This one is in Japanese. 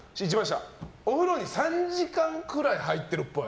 お風呂に３時間くらい入っているっぽい。